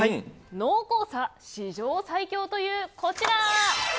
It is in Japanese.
濃厚さ史上最強というこちら。